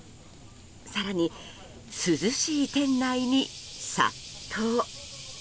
更に、涼しい店内に殺到。